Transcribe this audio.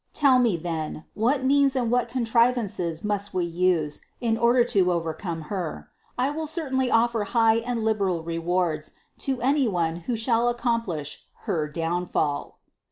Tell me then, what means and I THE CONCEPTION 533 what contrivances must we use in order to overcome Her. I will certainly offer high and liberal rewards to any one who shall accomplish her downfall."